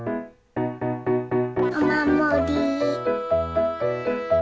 おまもり。